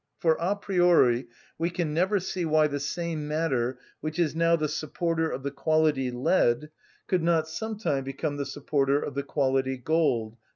For a priori we can never see why the same matter which is now the supporter of the quality lead could not some time become the supporter of the quality gold.